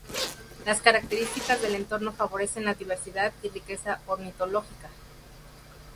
Las características del entorno favorecen la diversidad y riqueza ornitológica.